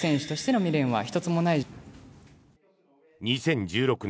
２０１６年